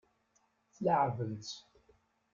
Tleεεbem-tt.